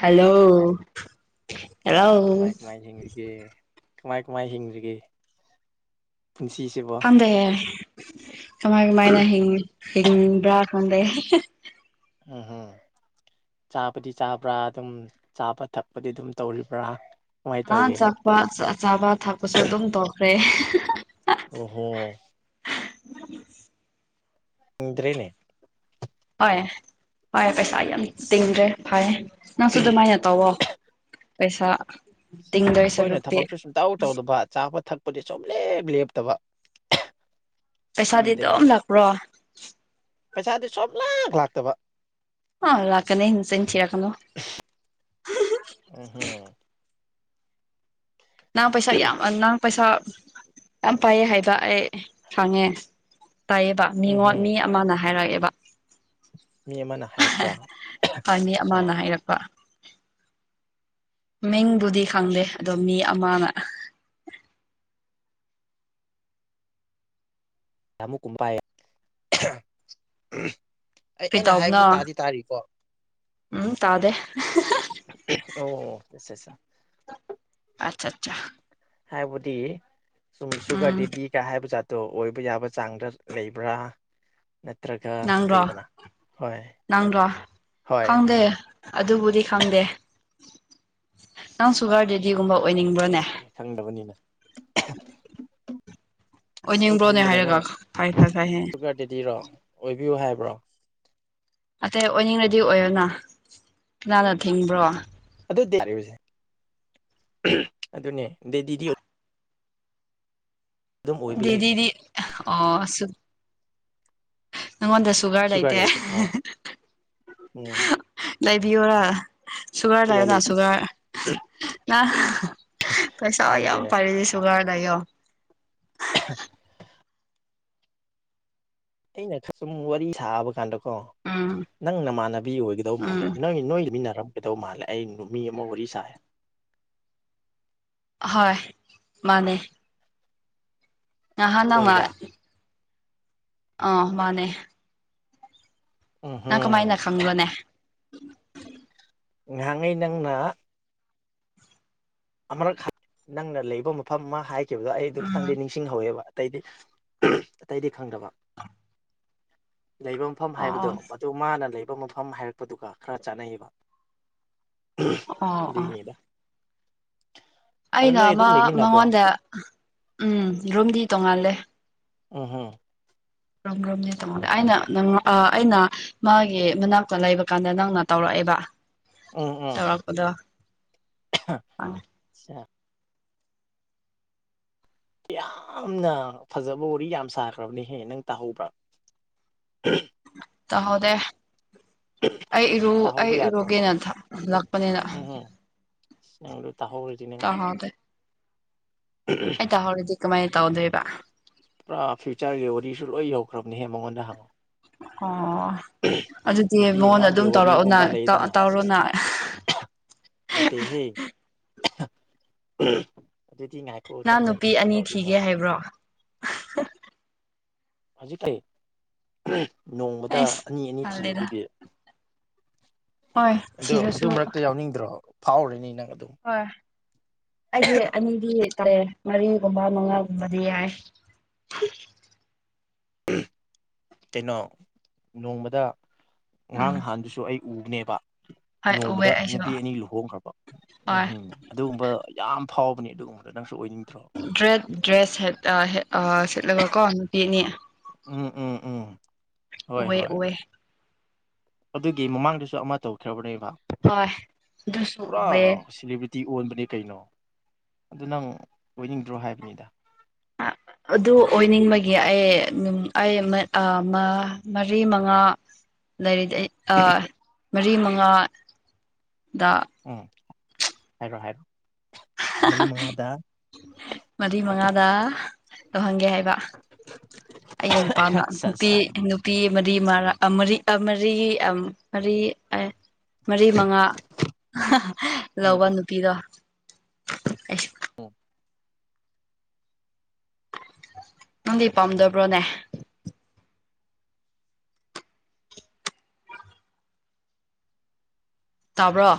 hello hello ꯃꯃꯥꯏ ꯍꯤꯡ ꯀꯃꯥꯏ ꯀꯃꯥꯏ ꯍꯤꯡꯉꯒꯦ ꯄꯨꯟꯁꯤꯁꯦ ꯈꯝꯊꯩꯍꯦ ꯀꯃꯥꯏ ꯀꯃꯥꯏꯅ ꯍꯤꯡꯕ꯭ꯔꯥ ꯈꯝꯗꯩ ꯎꯝ ꯍꯝ ꯆꯥꯕꯗꯤ ꯆꯥꯕ꯭ꯔꯥ ꯑꯗꯨꯝ ꯆꯥꯕ ꯊꯛꯄꯗꯤ ꯑꯗꯨꯝ ꯇꯧꯔꯤꯕ꯭ꯔꯥ ꯀꯃꯥꯏꯅ ꯑ ꯇꯧꯒꯦ ꯆꯥꯛꯄ ꯆꯥꯕ ꯊꯛꯄꯁꯨ ꯑꯗꯨꯝ ꯇꯧꯈ꯭ꯔꯦ ꯑꯣ ꯍꯣ ꯎꯝ ꯏꯗ꯭ꯔꯦꯅꯦ ꯍꯣꯏ ꯍꯣꯏ ꯄꯩꯁꯥ ꯌꯥꯝ ꯇꯤꯡꯗ꯭ꯔꯦ ꯐꯌꯦ ꯅꯪꯁꯨ ꯑꯗꯨꯃꯥꯏꯅ ꯇꯧꯋꯣ ꯄꯩꯁꯥ ꯇꯤꯡꯗꯣꯏ ꯑꯩꯈꯣꯏꯅ ꯁꯔꯨꯛꯇꯤ ꯊꯕꯛꯁꯨ ꯁꯨꯡꯇꯧ ꯇꯧꯗꯕ ꯆꯥꯕ ꯊꯛꯄꯗꯤ ꯁꯨꯝ ꯂꯦꯞ ꯂꯦꯞꯇꯕ ꯄꯩꯁꯥꯗꯤ ꯑꯗꯨꯝ ꯁꯤꯗꯅꯤꯅꯦ ꯂꯥꯛꯄ꯭ꯔꯣ ꯄꯩꯁꯥꯗꯤ ꯁꯣꯝꯂ ꯂꯥꯛꯇꯕ ꯑ ꯂꯥꯛꯀꯅꯦ ꯆꯌꯥꯅꯣ ꯑ ꯍꯝ ꯅꯪ ꯄꯩꯁꯥ ꯌꯥꯝ ꯅꯪ ꯄꯩꯁꯥ ꯌꯥꯝ ꯄꯥꯏꯌꯦ ꯍꯥꯏꯕ ꯑꯩ ꯈꯥꯡꯉꯦ ꯇꯥꯏꯌꯦꯕ ꯎꯝ ꯃꯤꯉꯣꯟ ꯍꯝ ꯃꯤ ꯑꯃꯅ ꯍꯥꯏꯔꯛꯑꯦꯕ ꯃꯤ ꯑꯃꯅ ꯍꯥꯏꯔꯛꯄ꯭ꯔꯥ ꯐꯅꯤ ꯑꯆꯥ ꯑꯃꯅ ꯍꯥꯏꯔꯛꯄ ꯃꯤꯡꯕꯨꯗꯤ ꯈꯪꯗꯦ ꯑꯗꯣ ꯃꯤ ꯑꯃꯅ ꯃꯨꯛ ꯀꯨꯝꯃꯥꯏ ꯑꯩ ꯀꯔꯤ ꯑꯩꯅ ꯇꯧꯕꯅꯣ ꯍꯥꯏꯕꯕꯁꯤ ꯇꯥꯗꯤ ꯇꯥꯔꯤꯀꯣ ꯎꯝ ꯇꯥꯗꯦ ꯑꯣꯁꯠ ꯑꯠꯆꯥ ꯑꯆꯥ ꯍꯥꯏꯕꯗꯤ ꯁꯨꯝ ꯎꯝ ꯁꯨꯒꯔꯕꯗꯤ ꯀꯥ ꯍꯥꯏꯕ ꯖꯥꯠꯇꯣ ꯑꯣꯏꯕ ꯌꯥꯕ ꯆꯥꯡꯗ ꯂꯩꯕ꯭ꯔꯥ ꯅꯠꯇ꯭ꯔꯒ ꯅꯪꯔꯣ ꯂꯩꯗꯅ ꯍ ꯅꯪꯔꯣ ꯍꯣꯏ ꯈꯪꯗꯦ ꯑꯗꯨꯕꯨꯗꯤ ꯈꯪꯗꯦ ꯅꯪ ꯁꯨꯒꯔ ꯗꯦꯗꯤꯒꯨꯝꯕ ꯑꯣꯏꯅꯤꯡꯕ꯭ꯔꯣꯅꯦ ꯐꯔꯦ ꯈꯪꯗꯕꯅꯤꯅ ꯑꯁ ꯑꯩ ꯑꯣꯏꯅꯤꯡꯕ꯭ꯔꯣꯅꯦ ꯈꯟꯕꯗ ꯅꯪ ꯍꯥꯏꯔꯒ ꯐꯩ ꯐꯩ ꯐꯩ ꯍꯦ ꯁꯔꯗꯗꯤꯔꯣ ꯑꯣꯏꯕꯤꯌꯨ ꯍꯥꯏꯕ꯭ꯔꯣ ꯑꯇꯩ ꯑꯣꯏꯅꯤꯡꯉꯗꯤ ꯑꯣꯏꯔꯅ ꯀꯅꯥꯅ ꯊꯤꯡꯕ꯭ꯔꯣ ꯑꯗꯨꯗꯤꯁꯦ ꯑꯗꯨꯅꯦ ꯑꯗꯤꯗꯤ ꯑꯗꯨꯝ ꯑꯣꯏꯕ ꯌꯥꯏ ꯗꯤꯗꯤ ꯑꯣ ꯁꯨ ꯅꯉꯣꯟꯗ ꯁꯨꯒꯔ ꯂꯩꯇꯦ ꯂꯩꯇꯕ ꯍꯣꯏ ꯎꯝ ꯂꯩꯕꯤꯌꯔ ꯁꯨꯒꯔ ꯂꯩꯌꯣꯗ ꯁꯨꯒꯔ ꯄꯩꯁꯥ ꯈꯪꯗꯦ ꯌꯥꯝ ꯐꯔꯦꯁꯦ ꯁꯨꯒꯔꯗꯥꯏꯌꯣ ꯑꯩꯅ ꯁꯨꯝ ꯋꯥꯔꯤ ꯁꯥꯕ ꯀꯥꯟꯗꯀꯣ ꯎꯝ ꯅꯪ ꯅꯃꯥꯟꯅꯕꯤ ꯑꯣꯏꯒꯗꯧ ꯃꯥꯜꯂꯦ ꯎꯝ ꯅꯪ ꯅꯣꯏꯃꯤꯟꯅꯔꯝ ꯀꯩꯗꯧ ꯃꯥꯜꯂꯦ ꯑꯩ ꯅꯨꯃꯤ ꯑꯃ ꯋꯥꯔꯤ ꯁꯥꯏꯌꯦ ꯍꯣꯏ ꯃꯥꯅꯦ ꯅꯅꯥꯍꯥ ꯂꯝꯥ ꯑꯣꯏꯕ꯭ꯔꯥ ꯑꯥ ꯃꯥꯅꯦ ꯎꯝ ꯅꯪ ꯍꯝ ꯀꯃꯥꯏꯅ ꯈꯪꯪꯂꯣꯅꯦ ꯉꯍꯥꯡꯉꯩ ꯅꯪꯅ ꯑꯃꯛ ꯅꯪꯅ ꯂꯩꯕ ꯃꯐꯝ ꯑꯃ ꯍꯥꯏꯈꯤꯕꯗꯣ ꯑꯩ ꯑꯗꯨ ꯎꯝ ꯈꯤꯇꯪꯗꯤ ꯅꯤꯡꯁꯤꯡꯍꯧꯋꯦꯕ ꯑꯇꯩꯗꯤ ꯑꯇꯩꯗꯤ ꯈꯪꯗꯕ ꯂꯩꯕ ꯃꯐꯝ ꯍꯥꯏꯕꯗꯣ ꯑꯣ ꯃꯗꯨ ꯃꯥꯅ ꯂꯩꯕ ꯃꯐꯝ ꯍꯥꯏꯔꯛꯄꯗꯨꯒ ꯈꯔ ꯆꯥꯅꯩꯌꯦꯕ ꯑꯣ ꯑꯣ ꯑꯗꯨꯏꯅꯦꯗ ꯑꯩꯅ ꯑꯃ ꯑꯗꯨꯝ ꯂꯩꯃꯤꯟꯅꯕ꯭ꯔꯣ ꯃꯉꯣꯟꯗ ꯎꯝ ꯔꯨꯝꯗꯤ ꯇꯣꯡꯉꯥꯜꯂꯦ ꯎ ꯍꯣ ꯀꯣꯝ ꯭ꯔꯣꯝꯅꯦ ꯇꯥꯃꯣꯗ ꯑꯩꯅ ꯅꯪ ꯑꯩꯅ ꯃꯥꯒꯤ ꯃꯅꯥꯛꯇ ꯂꯩꯕ ꯀꯥꯟꯗ ꯅꯪꯅ ꯇꯧꯔꯛꯑꯦꯕ ꯇꯔꯄꯗ ꯑꯆꯥ ꯌꯥꯝꯅ ꯐꯖꯕ ꯋꯥꯔꯤ ꯌꯥꯝ ꯁꯥꯈ꯭ꯔꯕꯅꯦꯍꯦ ꯅꯪ ꯇꯥꯍꯧꯕ꯭ꯔꯥ ꯇ ꯍꯗꯦ ꯑꯩ ꯑꯁ ꯏꯔꯨ ꯇꯥꯍꯧꯕ ꯑꯩ ꯌꯥꯗ꯭ꯔꯣ ꯏꯔꯣꯒꯦꯅꯟꯊ ꯂꯥꯛꯄꯅꯤꯅ ꯁꯤ ꯅꯪꯗꯨꯣ ꯇꯍꯣ꯭ꯔꯗꯤ ꯅꯪ ꯇꯧꯍꯧꯗꯦ ꯑ ꯍꯗꯤ ꯀꯃꯥꯏꯅ ꯇꯧꯗꯣꯏꯕ ꯄꯨꯔꯥ ꯐ꯭ꯌꯨꯆꯔꯒꯤ ꯋꯥꯔꯤꯁꯨ ꯂꯣꯏ ꯌꯧꯈ꯭ꯔꯕꯅꯦꯍꯦ ꯃꯉꯣꯟꯗ ꯍꯪꯉꯛꯑꯣ ꯑꯣ ꯑꯗꯨꯗꯤ ꯅꯨꯄꯤ ꯃꯉꯣꯟꯗ ꯑꯉꯥꯡꯒꯤ ꯑꯗꯨꯝ ꯇꯧꯔꯛꯑꯣꯅ ꯇꯧꯔꯣꯅ ꯅꯠꯇ ꯍꯦ ꯊ ꯉ ꯅꯍ ꯅꯨꯄꯤ ꯑꯅꯤ ꯊꯤꯒꯦ ꯍꯥꯏꯕ꯭ꯔꯣ ꯍꯧꯖꯤꯛꯀꯤ ꯅꯣꯡꯃꯗ ꯑꯩꯁ ꯑꯅꯤ ꯑꯅꯤ ꯊꯤꯌꯨ ꯇꯜꯂꯦꯗ ꯑꯗꯨꯗꯤ ꯍꯣꯏ ꯑꯗ ꯑꯗꯨ ꯊꯤꯔꯁꯨ ꯃꯔꯛꯇ ꯌꯥꯎꯅꯤꯡꯗ꯭ꯔꯣ ꯐꯥꯎꯔꯅꯤ ꯅꯪ ꯑꯗꯨꯝ ꯍꯣꯏ ꯑꯩꯗꯤ ꯑꯅꯤꯗꯤ ꯃꯔꯤꯒꯨꯝꯕ ꯃꯉꯥꯒꯨꯝꯕꯗꯤ ꯌꯥꯏ ꯀꯩꯅꯣ ꯅꯣꯡꯃꯗ ꯎꯝ ꯉꯔꯥꯡꯍꯥꯟꯗꯨꯁꯨ ꯑꯩ ꯎꯕꯅꯦꯕ ꯍꯣꯏ ꯎꯑꯦ ꯅꯣꯡꯃꯗ ꯑꯩꯁꯨ ꯅꯨꯄꯤ ꯑꯅꯤ ꯂꯨꯍꯣꯡꯈ꯭ꯔꯕ ꯎꯝ ꯍꯣꯏ ꯎꯝ ꯑꯗꯨꯒꯨꯝꯕ ꯌꯥꯝ ꯐꯥꯎꯕꯅꯦ ꯑꯗꯨꯒꯨꯝꯕꯗ ꯅꯪꯁꯨ ꯑꯣꯏꯅꯤꯡꯗ꯭ꯔꯣ ꯗ꯭ꯔꯦ ꯗ꯭ꯔꯦꯁ ꯁꯤꯠꯂꯒ ꯀꯣ ꯅꯨꯄꯤ ꯑꯅꯤ ꯎꯝ ꯎ ꯑꯣꯏꯦ ꯑꯣꯏꯋꯦ ꯑꯗꯨꯒꯤ ꯃꯃꯥꯡꯗꯁꯨ ꯑꯃ ꯇꯧꯈ꯭ꯔꯕꯅꯦꯕ ꯍꯣꯏ ꯑꯗꯨꯁꯨ ꯄꯨꯔꯥ ꯎꯋꯦ ꯇꯤ ꯑꯣꯟꯕꯅꯦ ꯀꯩꯅꯣ ꯑꯗꯨ ꯅꯪ ꯑꯣꯏꯅꯤꯡꯗ꯭ꯔꯣ ꯍꯥꯏꯕꯅꯤꯗ [inaudible] ꯑꯗꯨ ꯑꯣꯏꯅꯤꯡꯕꯒꯤ ꯑꯩ ꯑꯩ ꯃꯔꯤ ꯃꯉꯥ ꯂꯩꯔꯤꯗꯤ ꯃꯔꯤ ꯃꯉꯥ ꯗ ꯎꯝ ꯍꯥꯏꯔꯣꯑꯣ ꯍꯥꯏꯔꯣ ꯃꯔꯤ ꯃꯉꯥꯗ ꯃꯔꯤ ꯃꯉꯥꯗ ꯇꯧꯍꯟꯒꯦ ꯍꯥꯏꯕ ꯑꯩ ꯅꯨꯄꯥꯅ ꯑꯠꯆꯥ ꯅꯨꯄꯤ ꯑꯠꯆꯥ ꯅꯨꯄꯤ ꯃꯔꯤ ꯃꯔꯥꯔꯤ ꯃꯔꯤ ꯃꯔꯤ ꯃꯔꯤ ꯃꯉꯥ ꯎꯝ ꯂꯧꯕ ꯅꯨꯄꯤꯗꯣ ꯑꯩꯁ ꯑ ꯅꯪꯗꯤ ꯄꯝꯗꯕ꯭ꯔꯣꯅꯦ ꯇꯥꯕ꯭ꯔꯣ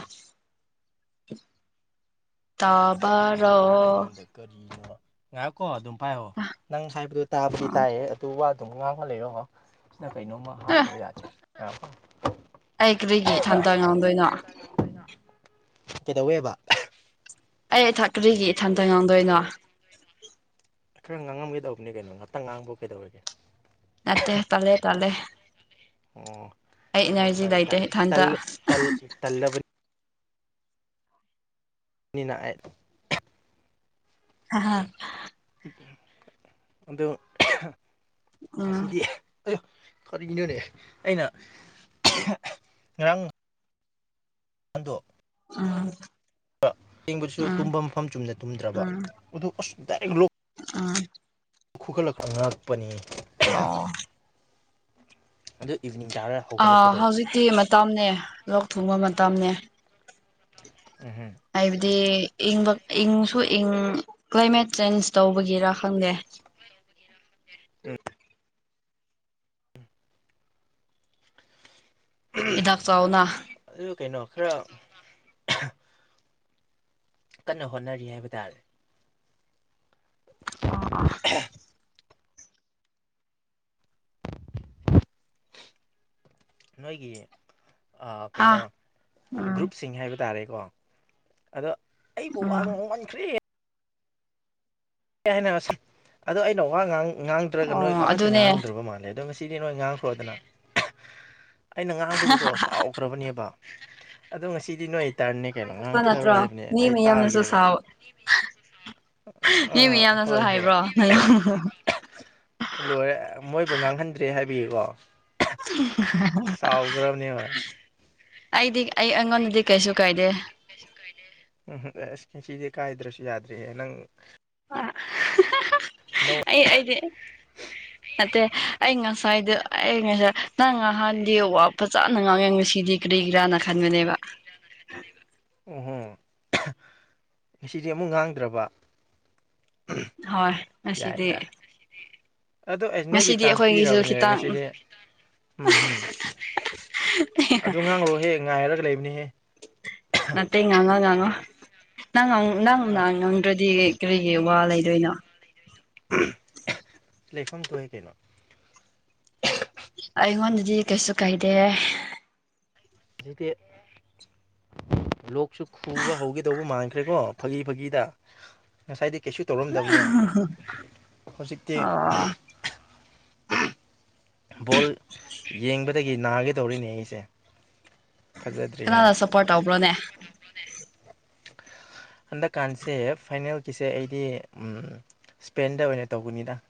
ꯇꯥꯕꯔꯣ ꯑꯩꯉꯣꯟꯗ ꯀꯔꯤꯅꯣ ꯉꯥꯏꯍꯥꯛ ꯀꯣ ꯑꯗꯨꯝ ꯄꯥꯏꯌꯣ ꯅꯪ ꯍꯥꯏꯕꯗꯣ ꯇꯥꯕꯗꯤ ꯇꯥꯏꯌꯦ ꯑꯗꯨ ꯑꯗꯨꯝ ꯉꯥꯡꯕ ꯂꯩꯔꯣ ꯑꯃꯣ ꯁꯤꯅ ꯀꯩꯅꯣꯝꯃ ꯑꯦ ꯍꯥꯞꯇꯕ ꯌꯥꯗꯦ ꯌꯥꯝ ꯄꯥꯝ ꯑꯩ ꯀꯔꯤꯒꯤ ꯊꯟꯇ ꯉꯥꯡꯗꯣꯏꯅꯣ ꯀꯩꯗꯧꯋꯦꯕ ꯑꯩ ꯏꯊꯛ ꯀꯔꯤꯒꯤ ꯏꯊꯟꯇ ꯉꯥꯡꯗꯣꯏꯅꯣ ꯈꯔ ꯉꯥꯡꯉꯝꯒꯦ ꯗꯧꯕꯅꯤ ꯀꯩꯅꯣ ꯉꯍꯥꯛꯇꯪ ꯉꯥꯡꯕꯨ ꯀꯩꯗꯧꯔꯒꯦ ꯅꯠꯇꯦ ꯇꯜꯂꯦ ꯇꯜꯂꯦ ꯑꯣ ꯑꯩ ꯐꯩ ꯏꯅꯔꯖꯤ ꯐꯩ ꯂꯩꯇꯦ ꯏꯊꯟꯇ ꯇꯜꯂꯕꯅꯤ ꯃꯤꯅ ꯑꯩ ꯍꯥ ꯍꯥ ꯑꯗꯣ ꯉꯁꯤꯗꯤ ꯑꯣ ꯀꯔꯤꯒꯤꯅꯣꯅꯦ ꯑꯩꯅ ꯉꯔꯥꯡ ꯑꯗꯣ ꯎꯝ ꯦꯡꯕꯗꯨꯁꯨ [inaudible] ꯎꯝ ꯇꯨꯝꯕ ꯃꯐꯝ ꯆꯨꯝꯅ ꯇꯨꯝꯗ꯭ꯔꯕ ꯎꯝ ꯑꯗꯨ ꯑ ꯎꯝ ꯈꯨꯒꯠꯂꯛꯄ ꯉꯥꯛꯄꯅꯤ ꯑꯣ ꯑꯗꯣ ꯏꯚꯅꯤꯡ ꯇꯥꯔ ꯍꯧꯒꯠꯂꯛꯀꯦꯗꯧꯋꯤ ꯍꯧꯖꯤꯛꯇꯤ ꯃꯇꯝꯅꯦ ꯂꯣꯛ ꯊꯨꯡꯕ ꯃꯇꯝꯅꯦ ꯑꯝ ꯍꯥꯏꯕꯗꯤ ꯏꯪꯕ ꯏꯪꯁꯨ ꯏꯪ ꯀ꯭ꯂꯥꯏꯃꯦꯠ ꯆꯦꯟꯖ ꯇꯧꯕꯒꯤꯔ ꯈꯪꯗꯦ ꯍꯤꯗꯥꯛ ꯆꯥꯎꯅ ꯑꯗꯨ ꯀꯩꯅꯣ ꯈꯔ ꯀꯟꯅ ꯍꯣꯠꯅꯔꯤ ꯍꯥꯏꯕ ꯇꯥꯔꯦ ꯑꯣ ꯑꯣ ꯅꯣꯏꯒꯤ ꯍꯥ ꯀꯩꯅꯣ ꯎꯝ ꯒ꯭ꯔꯨꯞꯁꯤꯡ ꯍꯥꯏꯕ ꯇꯥꯔꯦꯀꯣ ꯑꯗꯣ ꯑꯩꯕꯨ ꯋꯥ ꯎꯝ ꯉꯥꯡꯃꯟꯈ꯭ꯔꯦ ꯀ ꯍꯥꯏꯅ ꯁꯥꯟ ꯑꯗꯣ ꯑꯩꯅ ꯋꯥ ꯉꯥꯡꯗ꯭ꯔꯒ ꯅꯣꯏ ꯑꯣ ꯑꯃꯠꯇ ꯑꯗꯨꯅꯦ ꯉꯥꯡꯗ꯭ꯔꯕ ꯃꯥꯜꯂꯦ ꯑꯗꯣ ꯁꯤꯗꯤ ꯅꯣꯏ ꯉꯥꯡꯈ꯭ꯔꯣꯗꯅ ꯑꯩꯅ ꯉꯥꯡꯕꯒꯤꯀꯣ ꯁꯥꯎꯈ꯭ꯔꯕꯅꯦꯕ ꯑꯗꯣ ꯉꯁꯤꯗꯤ ꯅꯣꯏ ꯇꯔꯅꯤ ꯑꯩꯈꯣꯏ ꯀꯩꯅꯣ ꯈꯛꯄ ꯅꯠꯇ꯭ꯔꯣ ꯉꯥꯡꯊꯔꯣꯏ ꯍꯥꯏꯕꯅꯦ ꯃꯤ ꯑꯩ ꯃꯌꯥꯝꯅꯁꯨ ꯇꯥꯔꯒꯦꯕ ꯁꯥꯎ ꯃꯤ ꯑꯥ ꯃꯌꯥꯝꯅꯁꯨ ꯍꯣꯏ ꯍꯣꯏ ꯍꯥꯏꯕ꯭ꯔꯣ ꯅꯪ ꯂꯣꯏꯔꯦ ꯃꯣꯏꯕꯨ ꯉꯥꯡꯍꯟꯗ꯭ꯔꯦ ꯍꯥꯏꯕꯒꯤꯒꯣ ꯑꯩꯗꯤ ꯑꯩ ꯑꯩꯉꯣꯟꯗꯗꯤ ꯀꯩꯁꯨ ꯀꯥꯏꯗꯦ ꯎꯝꯁ ꯉꯁꯤꯗꯤ ꯀꯥꯢꯗ꯭ꯔꯁꯨ ꯌꯥꯗꯦ ꯅꯪ ꯑ ꯑꯅꯧ ꯑꯩ ꯑꯩꯁꯦ ꯅꯠꯇꯦ ꯑꯩ ꯉꯁꯥꯏꯗ ꯑꯩ ꯉꯁꯥꯏ ꯅꯪ ꯉꯍꯥꯟꯗꯤ ꯐꯖꯅ ꯉꯥꯡꯌꯦ ꯉꯁꯤꯗꯤ ꯀꯔꯤꯒꯤꯔꯥꯅ ꯈꯟꯕꯅꯦꯕ ꯑꯣꯍꯣ ꯉꯁꯤꯗꯤ ꯑꯃꯨꯛ ꯉꯥꯡꯗ꯭ꯔꯕ ꯍꯣꯏ ꯌꯥꯏ ꯉꯁꯤꯗꯤ ꯌꯥꯢ ꯑꯗꯣ ꯑꯩ ꯅꯣꯏꯒꯤ ꯉꯁꯤꯗꯤ ꯆꯥꯟꯁ ꯑꯩꯈꯣꯏꯒꯤꯁꯨ ꯄꯤꯔꯕꯅꯦ ꯈꯤꯇꯪ ꯉꯁꯤꯗꯤ ꯎꯝꯝ ꯑꯗꯨ ꯉꯥꯡꯔꯣꯍꯦ ꯉꯥꯏꯔꯒ ꯂꯩꯕꯅꯤꯍꯦ ꯅꯠꯇꯦ ꯉꯥꯡꯉꯣ ꯉꯥꯡꯉꯣ ꯅꯪ ꯅꯪ ꯅꯪꯅ ꯑꯥ ꯉꯥꯡꯗ꯭ꯔꯗꯤ ꯀꯔꯤꯒꯤ ꯋꯥ ꯂꯩꯗꯣꯏꯅꯣ ꯂꯩꯐꯝ ꯊꯣꯛꯢ ꯀꯩꯅꯣ ꯑꯩꯉꯣꯟꯗꯗꯤ ꯀꯩꯁꯨ ꯀꯥꯏꯗꯦ ꯌꯖꯤꯛꯇꯦ [inaudible] ꯂꯣꯛꯁꯨ ꯈꯨꯕ ꯍꯧꯒꯦ ꯇꯧꯕ ꯃꯥꯟꯈ꯭ꯔꯦꯀꯣ ꯐꯥꯒꯤ ꯐꯥꯒꯤꯗ ꯉꯁꯥꯏꯗꯤ ꯀꯩꯁꯨ ꯇꯧꯔꯝꯗꯕꯅꯦ ꯍꯧꯖꯤꯛꯇꯤ ꯑꯥ ꯕꯣꯜ ꯌꯦꯡꯕꯗꯒꯤ ꯅꯥꯒꯦꯗꯧꯔꯤꯅꯦ ꯑꯩꯁꯦ ꯐꯖꯗ꯭ꯔꯤꯍꯦ ꯀꯅꯥꯗ ꯁꯞꯄꯣꯔꯠ ꯇꯧꯕ꯭ꯔꯣꯅꯦ ꯍꯟꯗꯛꯀꯥꯟꯁꯦ ꯐꯥꯏꯅꯦꯜꯒꯤꯁꯦ ꯑꯩꯗꯤ ꯎꯝ ꯁ꯭ꯄꯦꯟꯗ ꯑꯣꯏꯅ ꯇꯧꯒꯅꯤꯗ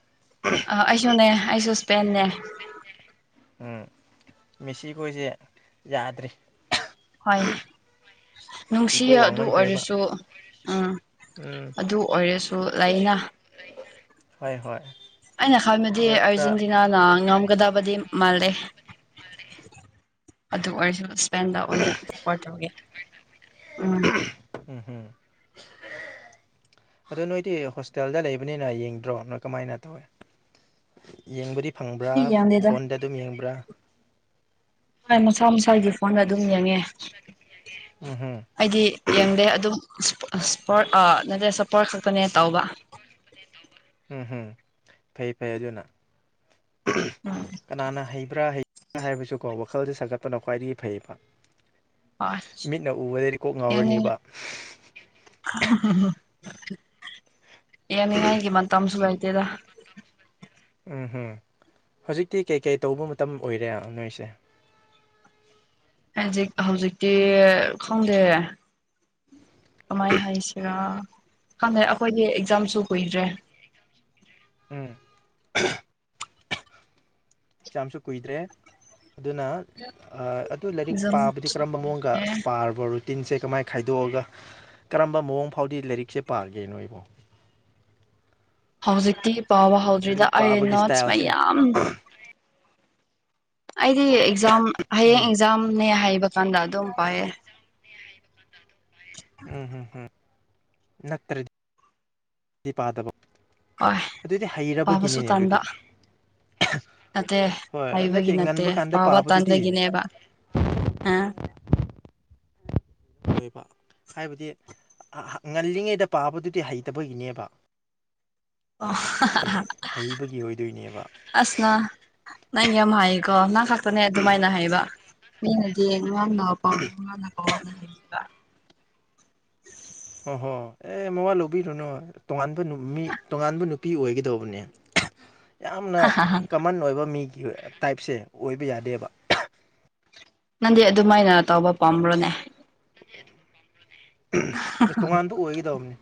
ꯑ ꯑꯩꯖꯨꯅꯦ ꯑꯩꯖꯨ ꯁꯄꯦꯟꯅꯦ ꯎꯝ ꯃꯦꯁꯤꯈꯣꯏꯁꯦ ꯌꯥꯗ꯭ꯔꯦ ꯍꯣꯏ ꯏꯒꯣ ꯅꯨꯡꯁꯤꯕ ꯑꯗꯨ ꯋꯥꯡꯃꯟꯈ꯭ꯔꯦꯕ ꯑꯣꯏꯔꯁꯨ ꯑꯥ ꯎꯝ ꯑꯗꯨ ꯑꯣꯏꯔꯁꯨ ꯂꯩꯅ ꯍꯣꯏ ꯍꯣꯏ ꯑꯩꯅ ꯈꯟꯕꯗꯤ ꯑꯗꯣ ꯈꯔ ꯑꯔꯖꯦꯟꯇꯤꯅꯥꯅ ꯉꯝꯒꯗꯕꯗꯤ ꯃꯥꯜꯂꯦ ꯑꯗꯨ ꯑꯣꯏꯔꯁꯨ ꯁꯄꯦꯟꯗ ꯑꯣꯏꯅ ꯁꯄꯣꯔꯠ ꯇꯧꯒꯦ ꯎꯝ ꯎꯝ ꯍꯝ ꯑꯗꯣ ꯅꯣꯏꯗꯤ ꯍꯣꯁꯇꯦꯜꯗ ꯂꯩꯕꯅꯤꯅ ꯌꯦꯡꯗ꯭ꯔꯣ ꯅꯣꯏ ꯀꯃꯥꯏꯅ ꯇꯧꯋꯦ ꯌꯦꯡꯕꯗꯤ ꯐꯪꯕ꯭ꯔꯥ ꯑꯩꯗꯤ ꯌꯦꯡꯗꯦꯗ ꯐꯣꯟꯗ ꯑꯗꯨꯝ ꯌꯦꯡꯕ꯭ꯔꯥ ꯍꯣꯏ ꯃꯁꯥ ꯃꯁꯥꯒꯤ ꯐꯣꯟꯗ ꯑꯗꯨꯝ ꯌꯦꯡꯉꯦ ꯎꯝ ꯍꯝ ꯑꯩꯗꯤ ꯌꯦꯡꯗꯦ ꯑꯗꯨꯝ ꯏꯁꯄꯣꯔꯠ ꯅꯠꯇꯦ ꯁꯄꯣꯔꯠ ꯈꯛꯇꯅꯦ ꯇꯧꯕ ꯎꯝ ꯍꯝ ꯐꯩ ꯐꯩ ꯑꯗꯨꯅ ꯎꯝ ꯀꯅꯥꯅ ꯍꯩꯕ꯭ꯔꯥ ꯍꯩ ꯕ꯭ꯔꯥ ꯍꯥꯏꯕꯁꯨꯀꯣ ꯋꯥꯈꯜꯗ ꯁꯥꯒꯠꯄꯅ ꯈ꯭ꯋꯥꯏꯗꯒꯤ ꯐꯩꯌꯦꯕ ꯍꯣꯏ ꯃꯤꯠꯅ ꯎꯕꯗꯗꯤ ꯀꯣꯛ ꯌꯥꯅꯤꯡ ꯉꯥꯎꯔꯅꯤꯕ [inaudible] ꯌꯥꯅꯤꯡꯉꯥꯏꯒꯤ ꯃꯇꯝꯁꯨ ꯂꯩꯥꯇꯦꯗ ꯎꯝ ꯍꯨꯝ ꯍꯧꯖꯤꯛꯇꯤ ꯀꯩꯀꯩ ꯇꯧꯕ ꯃꯇꯝ ꯑꯣꯏꯔꯦ ꯅꯣꯏꯁꯦ ꯍꯖꯤꯛ ꯍꯧꯖꯤꯛꯇꯤ ꯈꯪꯗꯦ ꯀꯃꯥꯏ ꯍꯥꯏꯁꯤꯔꯥ ꯈꯪꯗꯦ ꯑꯩꯈꯣꯏꯗꯤ ꯑꯦꯛꯖꯥꯝꯁꯨ ꯀꯨꯏꯗ꯭ꯔꯦ ꯎꯝ ꯖꯥꯝꯁꯨ ꯀꯨꯏꯗ꯭ꯔꯦ ꯑꯗꯨꯅ ꯑꯗꯨ ꯂꯥꯏꯔꯤꯛ ꯄꯥꯕꯗꯤ ꯑꯦꯛꯖꯥꯝꯁꯨ ꯀꯔꯝꯕ ꯃꯑꯣꯡꯒ ꯀꯨꯏꯗ꯭ꯔꯦ ꯄꯥꯔꯕꯔꯣ ꯇꯤꯟꯁꯦ ꯀꯃꯥꯏꯅ ꯈꯥꯏꯗꯣꯛꯑꯒ ꯀꯔꯝꯕ ꯃꯑꯣꯡ ꯐꯥꯎꯗꯤ ꯂꯥꯏꯔꯤꯛꯁꯦ ꯄꯥꯒꯦ ꯅꯣꯏꯕꯣ ꯍꯧꯖꯤꯛꯇꯤ ꯄꯥꯕ ꯍꯧꯗ꯭ꯔꯤꯗ ꯂꯥꯏꯔꯤꯛ ꯑꯩ ꯄꯥꯕꯒꯤ ꯅꯣꯠꯁ ꯏꯁꯇꯥꯏꯜꯁꯦ ꯃꯌꯥꯝ ꯑꯩꯗꯤ ꯑꯦꯛꯖꯥꯝ ꯍꯌꯦꯡ ꯎꯝ ꯑꯦꯛꯖꯥꯝꯅꯦ ꯍꯥꯏꯕ ꯀꯥꯟꯗ ꯑꯗꯨꯝ ꯄꯥꯏꯌꯦ ꯎꯝ ꯍꯝ ꯍꯝ ꯍꯝ ꯅꯠꯇ꯭ꯔꯗꯤꯗꯤ ꯄꯥꯗꯕ ꯍꯣꯏ ꯑꯗꯨꯗꯤ ꯄꯥꯕꯁꯨ ꯍꯩꯔꯕꯒꯤꯅꯤꯅꯦ ꯇꯥꯟꯕ ꯑꯗꯨꯗꯤ ꯅꯠꯇꯦ ꯍꯣꯏ ꯍꯩꯕꯒꯤ ꯅꯠꯇꯦ ꯉꯟꯕ ꯀꯥꯟꯗ ꯄꯥꯕ ꯄꯥꯕꯗꯨꯗꯤ ꯇꯥꯟꯗꯒꯤꯅꯦꯕ ꯑ ꯍꯣꯢꯕ ꯍꯥꯏꯕꯗꯤ ꯉꯜꯂꯤꯉꯩꯗ ꯄꯥꯕꯗꯨꯗꯤ ꯍꯩꯇꯕꯒꯤꯅꯦꯕ ꯑꯣ ꯍꯩꯕꯒꯤ ꯑꯣꯏꯗꯣꯏꯅꯦꯕ ꯑꯁꯅ ꯅꯪ ꯌꯥꯝ ꯍꯥꯏꯀꯣ ꯅꯪ ꯈꯥꯛꯇꯅꯦ ꯑꯗꯨꯃꯥꯏꯅ ꯍꯥꯏꯕ ꯃꯤꯅꯗꯤ ꯉꯟꯅ ꯄꯥꯎ ꯉꯟꯅ ꯄꯥꯎꯅ ꯍꯩꯢꯕ ꯍꯣꯏ ꯍꯣꯏ ꯑꯦ ꯃꯋꯥ ꯂꯧꯕꯤꯔꯨꯅꯨ ꯇꯣꯉꯥꯟꯕ ꯃꯤ ꯇꯣꯉꯥꯟꯕ ꯅꯨꯄꯤ ꯑꯣꯏꯒꯗꯧꯕꯅꯦ ꯌꯥꯝꯅ ꯀꯃꯟ ꯑꯣꯏꯕ ꯃꯤꯒꯤ ꯇꯥꯏꯞꯁꯦ ꯑꯣꯏꯕ ꯌꯥꯗꯦꯕ ꯅꯪꯗꯤ ꯑꯗꯨꯃꯥꯏꯅ ꯇꯧꯕ ꯄꯥꯝꯕ꯭ꯔꯣꯅꯦ ꯑꯁ ꯇꯣꯡꯉꯥꯟꯕꯥꯟꯕ ꯑꯣꯏꯒꯗꯧꯅꯤ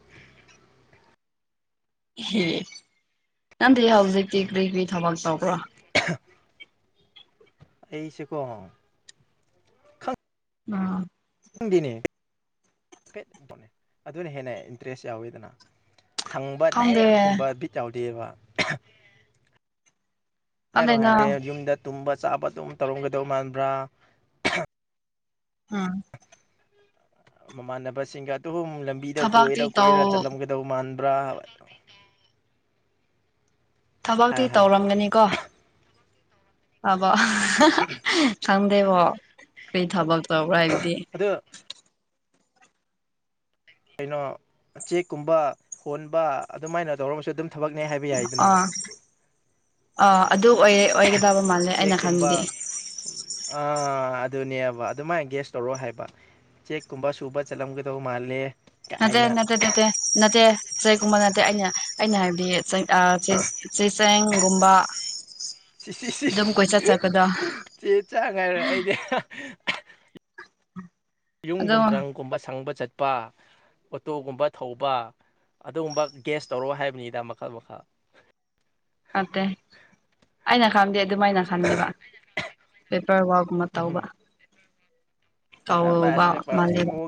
ꯑꯦ ꯅꯪꯗꯤ ꯍꯧꯖꯤꯛꯇꯤ ꯀ꯭ꯔꯤ ꯀ꯭ꯔꯤ ꯊꯕꯛ ꯇꯧꯕ꯭ꯔꯣ ꯑꯩꯁꯦꯀꯣ ꯎꯝ ꯈꯪꯗꯦꯅꯦ ꯍꯥꯏꯐꯦꯠ ꯑꯗꯨꯅ ꯍꯦꯟꯅ ꯏꯟꯇꯔꯦꯁ ꯌꯥꯎꯋꯤꯗꯅ ꯍꯪꯕ ꯈꯪꯗꯦ ꯗꯥꯏꯔꯦꯛ ꯈꯨꯝꯕ ꯕꯤꯠ ꯌꯥꯎꯗꯦꯕ ꯍꯥꯏꯔꯣ ꯈꯪꯗꯦꯅ ꯍꯥꯏꯔꯦ ꯌꯨꯝꯗ ꯇꯨꯝꯕ ꯆꯥꯕ ꯑꯗꯨꯝ ꯇꯧꯔꯝꯒꯗꯧ ꯃꯥꯟꯕ꯭ꯔꯥ ꯎꯝ ꯃꯃꯥꯟꯅꯕꯁꯤꯡꯒ ꯑꯍꯨꯝ ꯂꯝꯕꯤꯗ ꯀꯣꯏꯔ ꯊꯕꯛꯇꯤ ꯀꯣꯏꯔ ꯇꯧ ꯆꯠꯂꯝꯒ ꯗꯧ ꯃꯥꯟꯕ꯭ꯔꯥꯕ ꯊꯕꯛꯇꯤ ꯍꯥꯏꯌꯣ ꯍꯥꯏꯌꯣ ꯇꯧꯔꯝꯒꯅꯤꯀꯣ ꯑꯕꯣ ꯈꯪꯗꯦꯕꯣ ꯀꯔꯤ ꯊꯕꯛ ꯇꯧꯕ꯭ꯔ ꯍꯥꯏꯕꯗꯤ ꯑꯗ ꯀꯩꯅꯣ ꯆꯦꯛꯀꯨꯝꯕ ꯍꯣꯟꯕ ꯑꯗꯨꯃꯥꯏꯅ ꯇꯧꯔ ꯑꯃꯁꯁꯨ ꯑꯗꯨꯝ ꯊꯕꯛꯅꯦ ꯍꯥꯏꯕ ꯌꯥꯏꯗꯅ ꯑꯥ ꯑꯥ ꯑꯗꯨ ꯑꯣꯏ ꯑꯣꯏꯒꯗꯕ ꯃꯥꯜꯂꯦ ꯑꯩꯅ ꯈꯟꯗꯦ ꯆꯦꯛꯀꯨꯝꯕ ꯑꯥ ꯑꯗꯨꯅꯦꯕ ꯑꯗꯨꯃꯥꯏꯅ ꯒꯦꯁ ꯇꯧꯔꯣ ꯍꯥꯏꯕ ꯎꯆꯦꯛꯀꯨꯝꯕ ꯁꯨꯕ ꯆꯠꯂꯝꯒꯗꯧꯕ ꯃꯥꯜꯂꯦ ꯑꯗꯦ ꯀꯥꯏꯅ ꯅ ꯑꯗꯨ ꯑꯗꯨꯗꯦ ꯅꯠꯇꯦ ꯆꯦꯒꯨꯝꯕ ꯅꯠꯇꯦ ꯑꯩꯅ ꯑꯩꯅ ꯍꯥꯏꯕꯗꯤ ꯆꯦ ꯆꯦꯡꯒꯨꯝꯕ ꯁꯤ ꯁꯤ ꯁꯤꯁꯤ ꯆꯦ ꯆꯥꯡꯉꯥꯏꯔ ꯑꯩꯅꯦ ꯑꯗꯨꯝ ꯌꯨꯝꯒꯨꯝꯕ ꯔꯪꯒꯨꯝꯕ ꯁꯪꯕ ꯆꯠꯄ ꯑꯣꯇꯣꯒꯨꯝꯕ ꯊꯧꯕ ꯑꯗꯨꯒꯨꯝꯕ ꯒꯦꯁ ꯇꯧꯔꯣ ꯍꯥꯏꯕꯅꯤꯗ ꯃꯈꯜ ꯃꯈꯜ ꯑꯠꯇꯦ ꯑꯩꯅ ꯈꯟꯗꯦ ꯑꯗꯨꯃꯥꯏꯅ ꯈꯟꯗꯕ ꯄꯦꯄꯔ ꯋꯥꯔꯛ ꯀꯨꯝꯕ ꯎꯝꯍꯨꯝ ꯇꯧꯕ ꯀꯥꯎꯧꯕ ꯁꯕꯥꯁ ꯄꯦꯄꯔ ꯑꯁꯤ ꯃꯥꯂꯕ ꯃꯑꯣꯡ